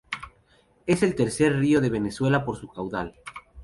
Es el tercer río de Venezuela por su caudal.